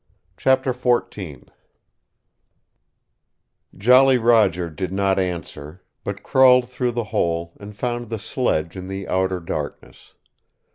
CHAPTER XIV Jolly Roger did not answer, but crawled through the hole and found the sledge in the outer darkness.